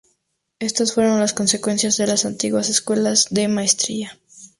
Estas fueron la consecuencia de las antiguas escuelas de maestría.